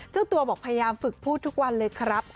เจ้าตัวบอกพยายามฝึกพูดทุกวันเลยครับ